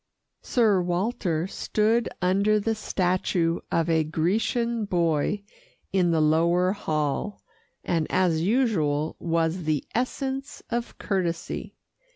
Sir Walter stood under the statue of a Grecian boy in the lower hall, and as usual was the essence of courtesy.